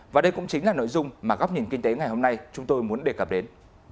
và đây cũng chính là nội dung mà góc nhìn kinh tế ngày hôm nay chúng tôi muốn đề cập đến